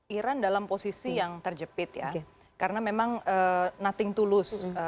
iran dalam posisi yang terjepit ya karena memang nothing to lose